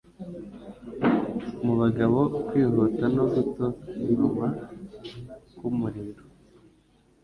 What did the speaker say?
Mu bagabo kwihuta no gutontoma k'umuriro,